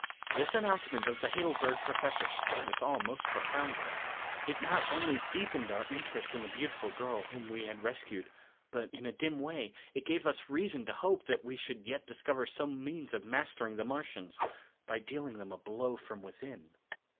This announcement of the Heidelberg professor stirred us all most profoundly. It not only deepened our interest in the beautiful girl whom we had rescued, but, in a dim way, it gave us reason to hope that we should yet discover some means of mastering the Martians by dealing them a blow from within.